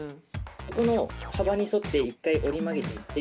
ここの幅に沿って一回折り曲げていって。